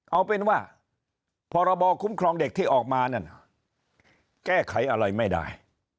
เอาเป็นว่าพรบคุ้มครองเด็กที่ออกมานั่นแก้ไขอะไรไม่ได้